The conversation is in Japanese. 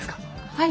はい。